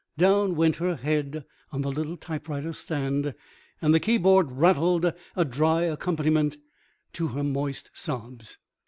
Down went her head on the little typewriter stand; and the keyboard rattled a dry accompaniment to her moist sobs.